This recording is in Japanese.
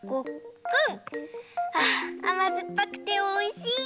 ああまずっぱくておいしい！